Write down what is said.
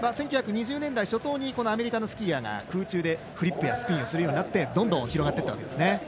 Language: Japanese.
１９２０年代初頭にアメリカのスキーヤーが空中でフリップやスピンをするようになってどんどん広がっていったわけですね。